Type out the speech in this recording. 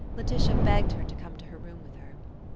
Laetitia begged her to come to her room with her.